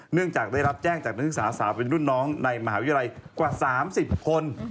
เนื่องจากได้รับแจ้งจากนักศึกษาสาวเป็นรุ่นน้องในมหาวิทยาลัยกว่า๓๐คน